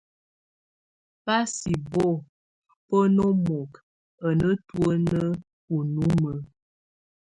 Ba sɛk bo bá nomok a nétuen ɔ númue.